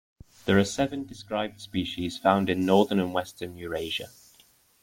There are seven described species found in northern and western Eurasia.